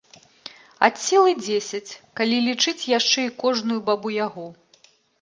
Ад сілы дзесяць, калі лічыць яшчэ і кожную бабу-ягу.